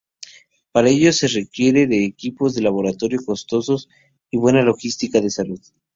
Para ello se requiere de equipos de laboratorio costosos y buena logística de salud.